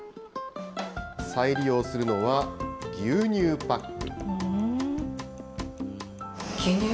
再利用するのは牛乳パック。